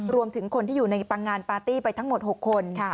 รวมถึงคนที่อยู่ในปังงานปาร์ตี้ไปทั้งหมด๖คน